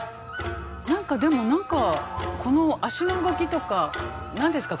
何かでも何かこの足の動きとか何ですか？